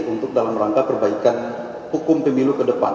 untuk dalam rangka perbaikan hukum pemilu ke depan